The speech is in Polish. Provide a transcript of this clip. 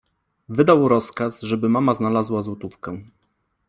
Wydał rozkaz, żeby mama znalazła złotówkę.